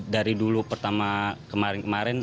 dari dulu pertama kemarin kemarin